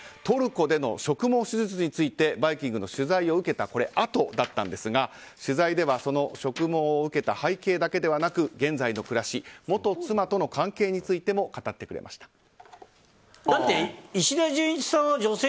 トルコでの植毛手術について「バイキング」の取材を受けたあとだったんですが取材では植毛を受けた背景だけではなく現在の暮らし元妻との関係についても語ってくれました。